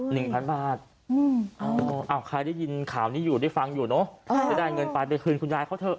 ทุกคนข้ายได้ยินข่าวนี้ฟังอยู่เนาะจะได้เงินไปนะลืมคืนคุณยายเขาเถอะ